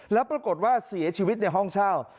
แล้วปรากฏว่าเสียชีวิตในห้องเช่า